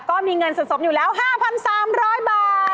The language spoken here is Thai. ก็มีเงินสะสมอยู่แล้ว๕๓๐๐บาท